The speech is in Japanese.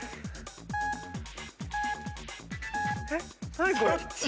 何これ？